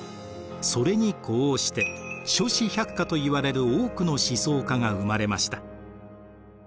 それに呼応して諸子百家といわれる多くの思想家が生まれました。